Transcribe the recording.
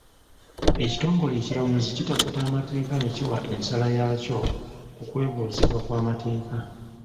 Ekitongole ekiramuzi kitaputa amateeka ne kiwa ensala yaakyo ku kwebuuzibwa kw'amateeka.